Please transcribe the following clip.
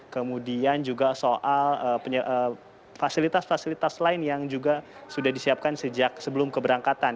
kemudian juga soal fasilitas fasilitas lain yang juga sudah disiapkan sejak sebelum keberangkatan